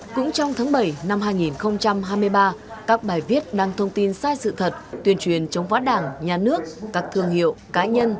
cũng trong tháng bảy năm hai nghìn hai mươi ba các bài viết đăng thông tin sai sự thật tuyên truyền chống phá đảng nhà nước các thương hiệu cá nhân